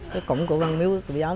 cái cổng của văn miếu quốc tự giám